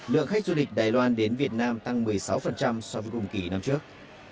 lượng khách du lịch đài loan đến việt nam tăng một mươi sáu so với cùng kỳ năm trước